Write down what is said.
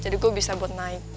jadi gue bisa buat naik